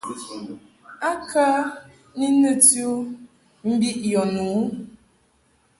A kə ni nɨti u mbiʼ yɔ nu ?